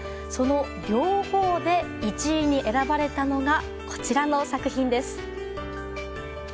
その両方で１位に選ばれたのがこちらの作品です。